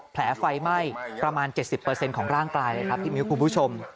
แผลไฟไหม้ประมาณ๗๐เปอร์เซ็นต์ของร่างกายครับที่มีคุณผู้ชม